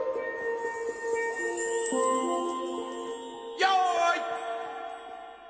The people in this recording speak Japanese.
・よい。